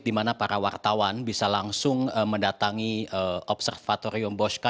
di mana para wartawan bisa langsung mendatangi observatorium bosca